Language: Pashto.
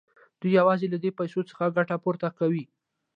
دوی یوازې له دې پیسو څخه ګټه پورته کوي